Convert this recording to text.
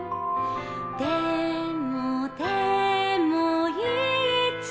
「でもでもいつか」